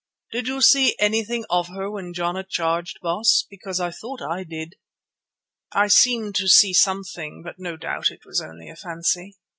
Did you see anything of her when Jana charged, Baas, because I thought I did?" "I seemed to see something, but no doubt it was only a fancy."